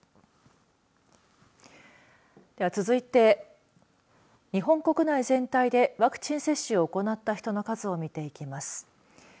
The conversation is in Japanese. では続いて日本国内全体でワクチン接種を行った人の数を見ていきます。